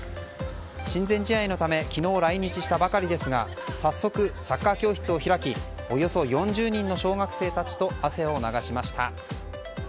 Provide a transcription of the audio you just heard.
親善試合のため昨日来日したばかりですが早速、サッカー教室を開きおよそ４０人の小学生たちと汗を流しました。